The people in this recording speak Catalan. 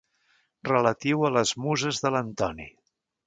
Relatiu a les muses de l'Antoni.